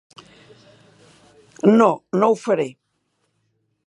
No, no ho faré!